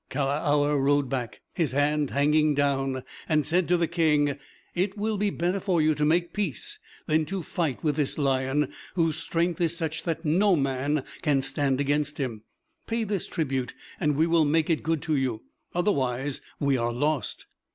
Kalahour rode back, his hand hanging down, and said to the King, "It will be better for you to make peace than to fight with this lion, whose strength is such that no man can stand against him. Pay this tribute, and we will make it good to you. Otherwise we are lost."